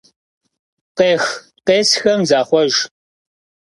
Къех-къесхэм захъуэж.